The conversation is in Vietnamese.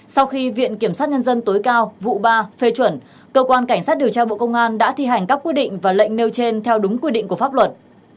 sau khi viện kiểm sát nhân dân tối cao vụ ba phê chuẩn cơ quan cảnh sát điều tra bộ công an đã thi hành các quy định và lệnh nêu trên theo đúng quy định của pháp luật